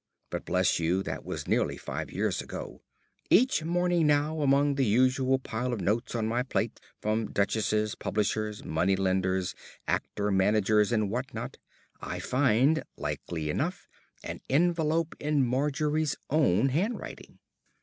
But, bless you, that was nearly five years ago. Each morning now, among the usual pile of notes on my plate from duchesses, publishers, moneylenders, actor managers and what not, I find, likely enough, an envelope in Margery's own handwriting.